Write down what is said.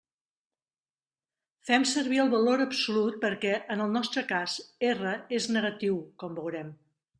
Fem servir el valor absolut perquè, en el nostre cas, R és negatiu, com veurem.